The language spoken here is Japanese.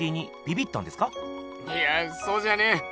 いやぁそうじゃねえ。